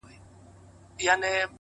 حقیقت له وخت سره لا روښانیږي,